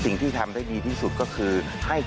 คุณอโนไทจูจังขอแสดงความจริงกับผู้ที่ได้รับรางวัลครับ